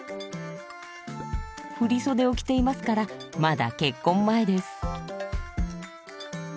振り袖を着ていますからまだ結婚前です。